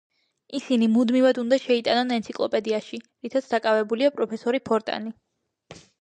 ისინი მუდმივად უნდა შეიტანონ ენციკლოპედიაში, რითაც დაკავებულია პროფესორი ფორტანი.